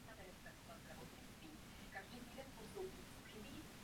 Jsme umírnění v očekáváních, ale jsme otevření a optimističtí.